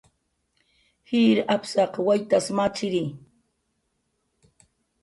Jir apsaq waytas machiri